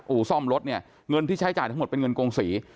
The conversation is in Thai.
อู่ซ่อมรถเนี่ยเงินที่ใช้จ่ายทั้งหมดเป็นเงินกงศรี